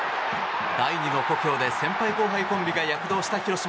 第２の故郷で先輩後輩コンビが躍動した広島。